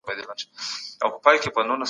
نظم د ټولني اړتیا ده.